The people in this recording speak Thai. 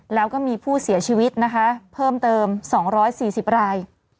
แล้วก็มีผู้เสียชีวิตนะคะเพิ่มเติม๒๔๐ราย